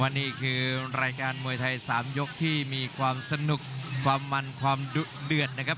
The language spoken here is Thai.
วันนี้ดังนั้นก็จะเป็นรายการมวยไทยสามยกที่มีความสนุกความสนุกความเดือดนะครับ